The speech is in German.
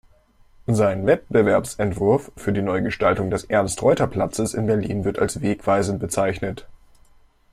Sein Wettbewerbsentwurf für die Neugestaltung des Ernst-Reuter-Platzes in Berlin wird als wegweisend bezeichnet.